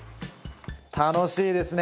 楽しいですね。